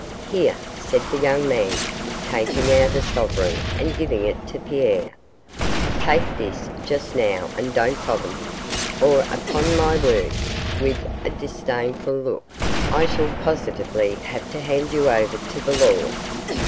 'Here,' said the young man, taking out a sovereign and giving it to Pierre; 'take this just now and don't bother me, or upon my word,' with a disdainful look, 'I shall positively have to hand you over to the law.